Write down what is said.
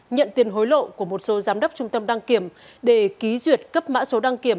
nhận tiền hối lộ của một số giám đốc trung tâm đăng kiểm để ký duyệt cấp mã số đăng kiểm